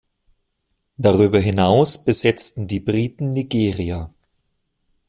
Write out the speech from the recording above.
Darüber hinaus besetzten die Briten Nigeria.